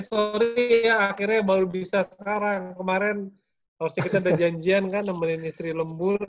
sorry ya akhirnya baru bisa sekarang kemarin harusnya kita ada janjian kan nemenin istri lembut